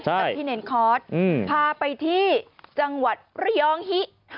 ใช่คุณผู้ชมที่เนรนคอร์สพาไปที่จังหวัดระยองฮิ